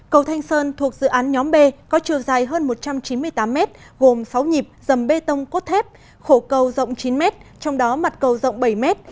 cầu thanh sơn thuộc dự án nhóm b có chiều dài hơn một trăm chín mươi tám mét gồm sáu nhịp dầm bê tông cốt thép khổ cầu rộng chín mét trong đó mặt cầu rộng bảy mét